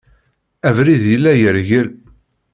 Abrid yella yergel.